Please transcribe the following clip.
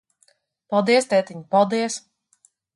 Paldies, tētiņ, paldies.